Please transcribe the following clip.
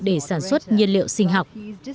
để sản xuất nhiên liệu sinh học